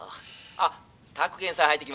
あっ沢彦さん入ってきました」。